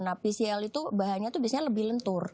nah pcl itu bahannya tuh bisa diangkat